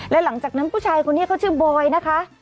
และหลังจากนั้นผู้ชายคนนี้เขาชื่อบอยนะคะ